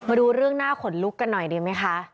มาดูเรื่องหน้าขนลุกกันหน่อยดีไหมคะ